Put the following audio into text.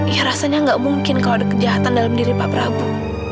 ya rasanya gak mungkin kalau ada kejahatan dalam diri pak prabowo